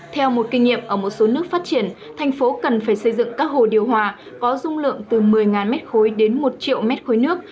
theo một kinh nghiệm ở một số nước phát triển thành phố cần phải xây dựng các hồ điều hòa có dung lượng từ một mươi m ba đến một triệu mét khối nước